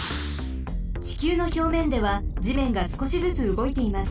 ちきゅうのひょうめんではじめんがすこしずつうごいています。